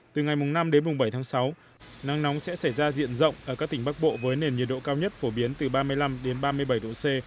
từ ngày năm bảy sáu năng nóng sẽ xảy ra diện rộng ở các tỉnh bắc bộ với nền nhiệt độ cao nhất phổ biến từ ba mươi năm ba mươi bảy độ c